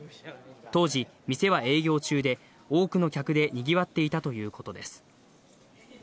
当時、店は営業中で、多くの客でにぎわっていたということです。